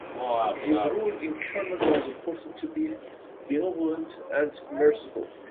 His rule in Kerman was reported to be benevolent and merciful.